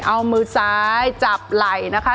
เอามือซ้ายจับไหล่นะคะ